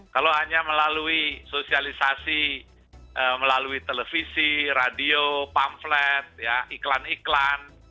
kalau hanya melalui sosialisasi melalui televisi radio pamflet iklan iklan